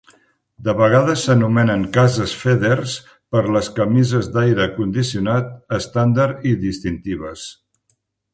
De vegades s'anomenen "cases Fedders" per les camises d'aire condicionat estàndard i distintives.